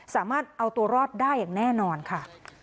สามารถเอาตัวรอดได้อย่างแน่นอนค่ะ